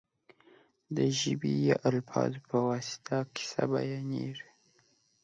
د ژبې یا الفاظو په واسطه کیسه بیانېږي.